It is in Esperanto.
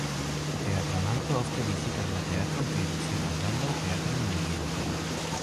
Teatramanto ofte vizitas la teatron kaj ricevas baldaŭ teatrajn manierojn.